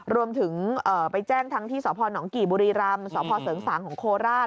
รวมถึงไปแจ้งทั้งที่สพนกี่บุรีรำสพเสริงสางของโคราช